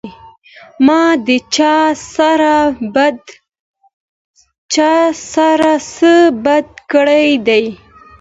ما د چا سره څۀ بد کړي دي